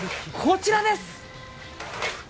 こちらです！